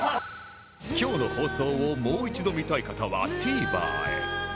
今日の放送をもう一度見たい方は ＴＶｅｒ へ